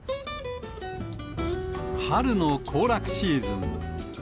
春の行楽シーズン。